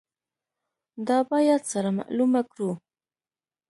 دا باید سره معلومه کړو.